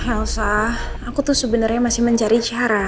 elsa aku tuh sebenarnya masih mencari cara